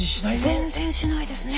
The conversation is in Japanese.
全然しないですね。